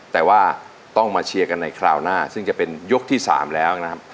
แต่ว่าต้องมาเชียร์กันในคราวหน้าซึ่งจะเป็นยกที่๓แล้วนะครับ